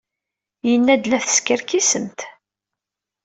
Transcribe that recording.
Yenna-d la teskerkisemt.